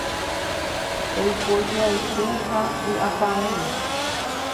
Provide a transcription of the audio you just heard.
Eiko joayhu ha vy'apavẽme.